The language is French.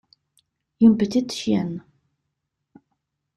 Une petite chienne.